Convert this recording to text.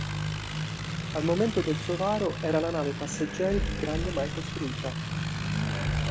Al momento del suo varo, era la nave passeggeri più grande mai costruita.